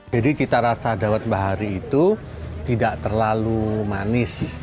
jadi kita rasa dawet bahari itu tidak terlalu manis